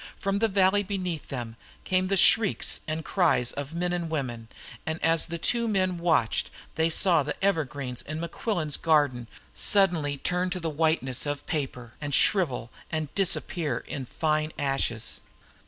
From the valley beneath them came the shrieks and cries of men and women, and as the two men watched they saw the evergreens in Mequillen's garden suddenly turn to the whiteness of paper, and shrivel and disappear in fine ashes.